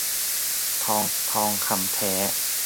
ทองคำแท้